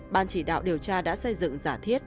ban chỉ đạo điều tra đã xây dựng giả thiết